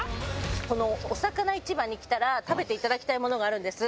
このおさかな市場に来たら食べていただきたいものがあるんです。